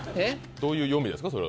どういう読みですかそれ。